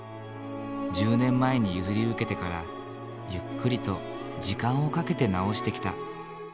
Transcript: １０年前に譲り受けてからゆっくりと時間をかけて直してきた。